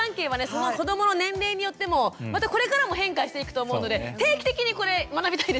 その子どもの年齢によってもまたこれからも変化していくと思うので定期的にこれ学びたいですね。